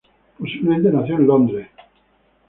Posiblemente nació en Londres.